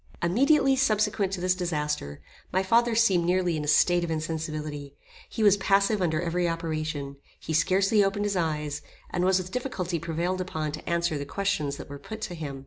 Immediately subsequent to this disaster, my father seemed nearly in a state of insensibility. He was passive under every operation. He scarcely opened his eyes, and was with difficulty prevailed upon to answer the questions that were put to him.